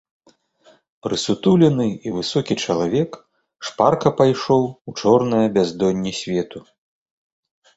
Прысутулены і высокі чалавек шпарка пайшоў у чорнае бяздонне свету.